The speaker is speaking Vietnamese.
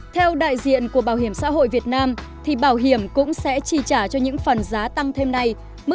theo đại diện của bảo hiểm xã hội việt nam thì bảo hiểm cũng sẽ chi trả cho những phần giá tăng thêm này